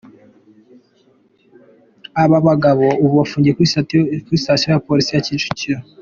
Aba bagabo ubu bafungiwe kuri Sitasiyo ya Polisi ya Kicukiro.